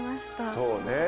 そうね。